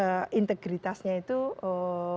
nah integritasnya itu terbuka